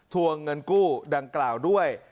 วงเงินกู้ดังกล่าวด้วย